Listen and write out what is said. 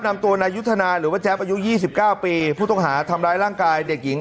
นำตัวนายุทธนาหรือว่าแจ๊บอายุ๒๙ปีผู้ต้องหาทำร้ายร่างกายเด็กหญิง